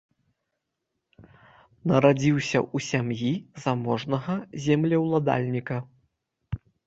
Нарадзіўся ў сям'і заможнага землеўладальніка.